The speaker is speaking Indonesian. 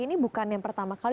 ini bukan yang pertama kali